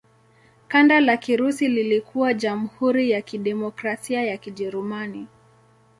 Kanda la Kirusi lilikuwa Jamhuri ya Kidemokrasia ya Kijerumani.